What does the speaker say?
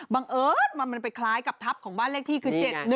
บังเอิญมันไปคล้ายกับทัพของบ้านเลขที่คือ๗๑